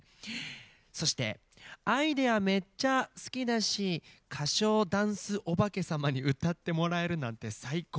そして「『アイデア』めっちゃ好きだし歌唱ダンスおばけ様に歌ってもらえるなんて最高！」。